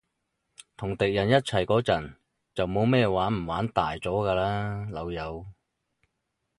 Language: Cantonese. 同敵人一齊嗰陣，就冇咩玩唔玩大咗㗎喇，老友